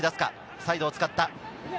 サイドを使った。